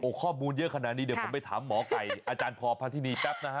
ข้อมูลเยอะขนาดนี้เดี๋ยวผมไปถามหมอไก่อาจารย์พอพระธินีแป๊บนะฮะ